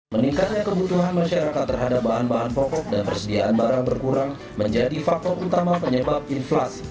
meningkatnya kebutuhan masyarakat terhadap bahan bahan pokok dan persediaan barang berkurang menjadi faktor utama penyebab inflasi